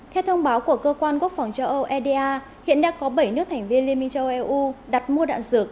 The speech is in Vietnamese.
theo thông báo của cơ quan quốc phòng châu âu eda hiện đã có bảy nước thành viên liên minh châu âu đặt mua đạn dược